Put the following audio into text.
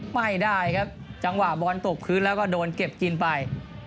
ไม่ได้ครับจังหวะบอลตกพื้นแล้วก็โดนเก็บกินไป